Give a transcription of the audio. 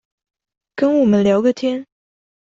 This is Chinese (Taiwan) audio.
跟我們聊個天